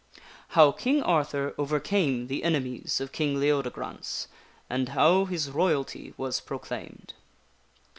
How King Arthur Overcame the Enemies of King Leodegrance, and How His Royalty Was Proclaimed.